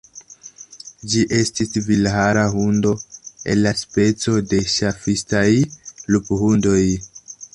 Ĝi estis vilhara hundo el la speco de ŝafistaj luphundoj.